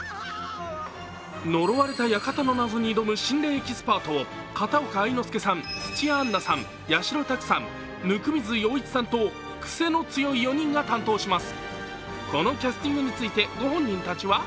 呪われた館の謎に挑む、心霊エキスパート、片岡愛之助さん、土屋アンナさん、八代拓さん、温水洋一さんと癖の強い４人が担当します。